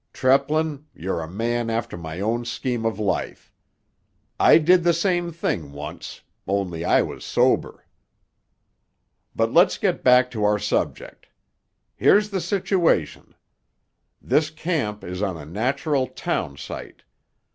Treplin, you're a man after my own scheme of life; I did the same thing once—only I was sober. "But let's get back to our subject. Here's the situation: This camp is on a natural town site.